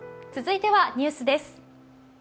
続いてはニュースです。